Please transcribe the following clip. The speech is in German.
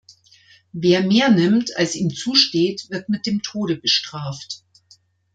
Wer mehr nimmt, als ihm zusteht, wird mit dem Tode bestraft.